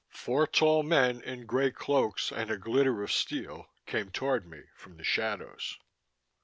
Four tall men in grey cloaks and a glitter of steel came toward me from the shadows.